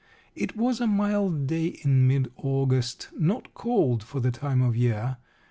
It was a mild day in mid August, not cold for the time of year.